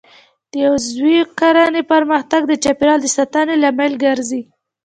د عضوي کرنې پرمختګ د چاپیریال د ساتنې لامل ګرځي.